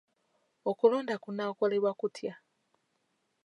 Okulonda kunaakolebwa kutya?